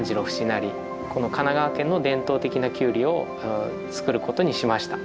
成この神奈川県の伝統的なキュウリを作ることにしました。